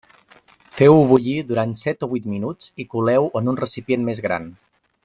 Feu-ho bullir durant set o vuit minuts i coleu-ho en un recipient més gran.